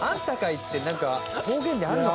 ってなんか方言であるのかな？